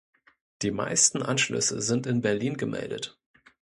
Die meisten Anschlüsse sind in Berlin gemeldet.